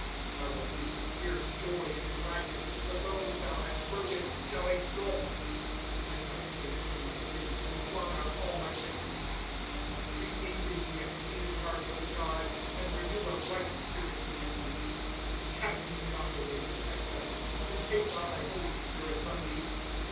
« Thou wilt make me hear joy and gladness ; The bonea thou hast broken shall exult. » Hide thy face from my slna, And blot out all my iniquities. '" Create in mo a clean heart, God, And renew a right spirit witiiiu me. " Oast me not away from thy presence, And take not thy holy Spirit from me.